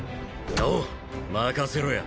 おう任せろや。